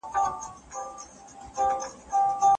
هره لوېشت یې لاله زار سي لا به ښه سي